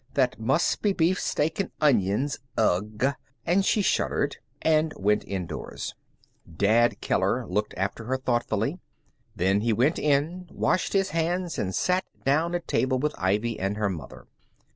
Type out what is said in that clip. "That must be beefsteak and onions. Ugh!" And she shuddered, and went indoors. Dad Keller looked after her thoughtfully. Then he went in, washed his hands, and sat down at table with Ivy and her mother.